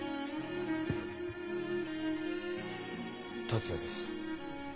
達也です。